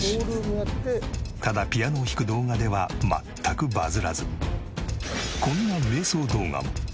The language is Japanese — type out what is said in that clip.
ただピアノを弾く動画では全くバズらずこんな迷走動画も。